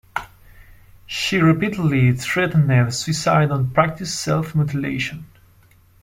She repeatedly threatened suicide and practiced self-mutilation.